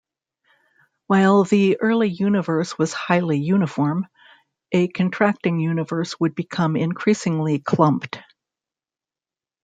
While the early universe was highly uniform, a contracting universe would become increasingly clumped.